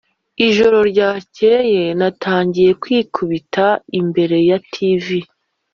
ijoro ryakeye natangiye kwikubita imbere ya tv